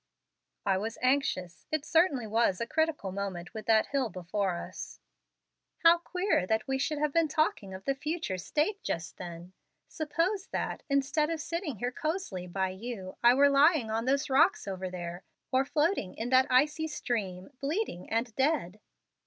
"I was anxious. It certainly was a critical moment with that hill before us." "How queer that we should have been talking of the future state just then! Suppose that, instead of sitting here cosily by you, I were lying on those rocks over there, or floating in that icy stream bleeding and dead?"